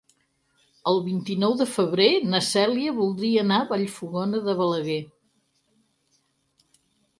El vint-i-nou de febrer na Cèlia voldria anar a Vallfogona de Balaguer.